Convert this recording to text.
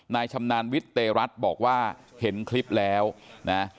ชำนาญวิทย์เตรัสบอกว่าเห็นคลิปแล้วนะ